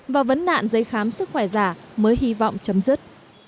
và vấn nạn giấy khám sức khỏe giả mới hy vọng chấm dứt